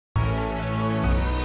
bapak mau main di dalam dulu